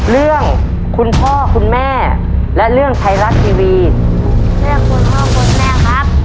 เรื่องคุณพ่อคุณแม่และเรื่องไทยรัฐทีวีเรื่องคุณพ่อคุณแม่ครับ